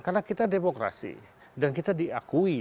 karena kita demokrasi dan kita diakui